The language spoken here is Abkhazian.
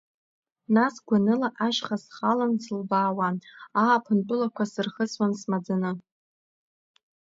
Нас гәаныла ашьха схалан, сылбаауан, ааԥын тәылақәа сырхысуан смаӡаны.